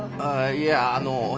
いやあのね